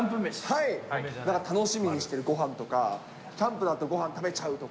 なんか楽しみにしてるごはんとか、キャンプのあと、ごはん食べちゃうとか。